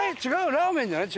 ラーメンじゃない？